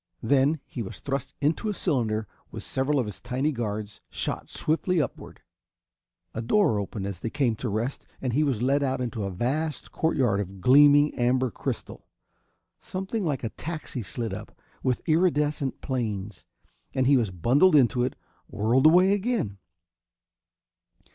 Then he was thrust into a cylinder with several of his tiny guards, shot swiftly upward. A door opened as they came to rest, and he was led out into a vast court of gleaming amber crystal. Something like a taxi slid up, with irridescent planes, and he was bundled into it, whirled away again.